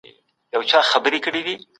په غاښونو یې ونیسئ.